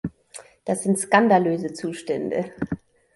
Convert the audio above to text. Das sind skandalöse Zustände.